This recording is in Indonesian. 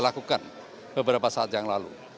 lakukan beberapa saat yang lalu